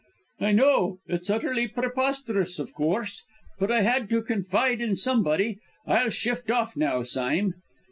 "I know; it's utterly preposterous, of course. But I had to confide in somebody. I'll shift off now, Sime."